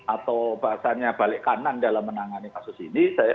atau bahasanya balik kanan dalam menangani kasus ini